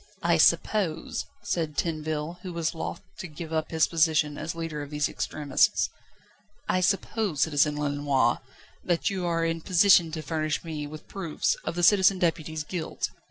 "I suppose," said Tinville, who was loth to give up his position as leader of these extremists "I suppose, Citizen Lenoir, that you are in position to furnish me with proofs of the Citizen Deputy's guilt?"